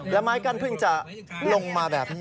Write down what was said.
และไม้กั้นเพิ่งจะลงมาแบบนี้